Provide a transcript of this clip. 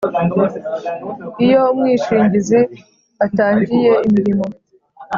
Iyo umwishingizi atangiye imirimo